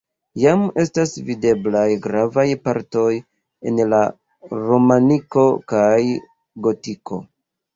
Jam estas videblaj gravaj partoj en la romaniko kaj gotiko.